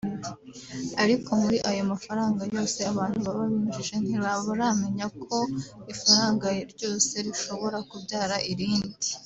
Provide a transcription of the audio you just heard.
ariko muri ayo mafaranga yose abantu baba binjije ntibaramenya ko ifaranga ryose rishobora kubyara irindi